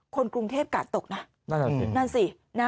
คนกรุงเทพกาลตกนะนั่นสิ